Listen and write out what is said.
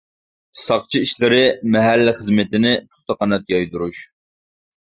ساقچى ئىشلىرى، مەھەللە خىزمىتىنى پۇختا قانات يايدۇرۇش.